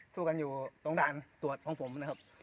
สู้กันอยู่ตรงด่านตรวจของผมนะครับ